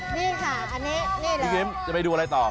นี่ค่ะพี่กิมจะไปดูอะไรต่อ